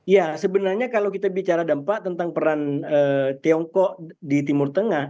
ya sebenarnya kalau kita bicara dampak tentang peran tiongkok di timur tengah